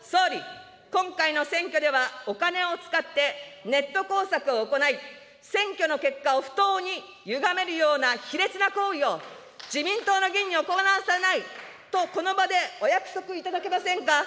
総理、今回の選挙ではお金を使ってネット工作を行い、選挙の結果を不当にゆがめるような卑劣な行為を自民党の議員に行わせない、この場でお約束いただけませんか。